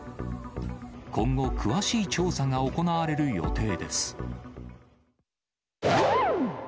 今後、詳しい調査が行われる予定